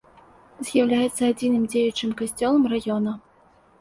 З'яўляецца адзіным дзеючым касцёлам раёна.